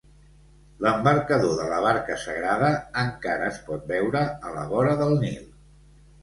L'embarcador de la barca sagrada encara es pot veure a la vora del Nil.